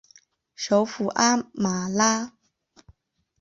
首府阿马拉。